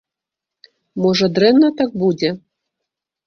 Можа, дрэнна так будзе?